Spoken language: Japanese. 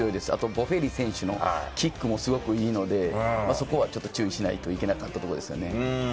ボフェリ選手のキックもすごくいいので、そこはちょっと注意しないといけなかったところですね。